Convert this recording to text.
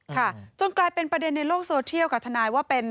จนกลายเป็นประเด็นในโลกโซเชียลกับทนายว่าเป็น